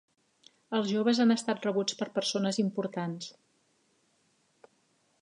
Els joves han estat rebuts per persones importants.